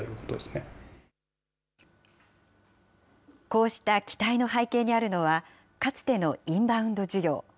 こうした期待の背景にあるのは、かつてのインバウンド需要。